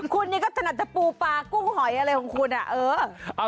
คุณนี่ก็ถนัดตะปูปลากุ้งหอยอะไรของคุณอ่ะ